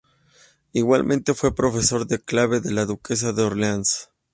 Igualmente, fue profesor de clave de la duquesa de Orleans.